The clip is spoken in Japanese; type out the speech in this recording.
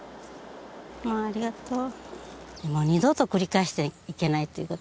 ありがとう。